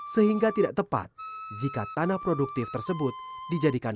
sehingga tidak tepat jika tanah produktif tersebut tidak bisa dihidupkan